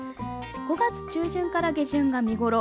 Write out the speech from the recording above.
５月中旬から下旬が見ごろ。